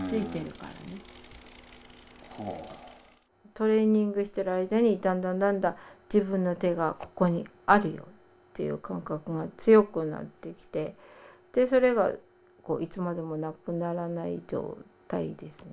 トレーニングしてる間にだんだんだんだん「自分の手がここにあるよ」という感覚が強くなってきてそれがいつまでもなくならない状態ですね。